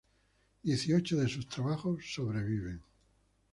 Dieciocho de sus trabajos sobreviven.